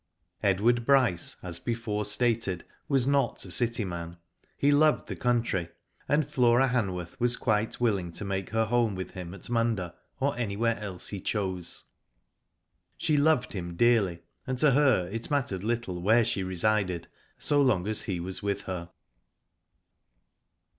Edward Bryce, as before stated, was not a citj man. He loved the country, and Flora Hanworth was quite willing to make her home with him at Munda, or anywhere else he chose. She loved him dearly, and to her it mattered little where she resided, so long as he was with her.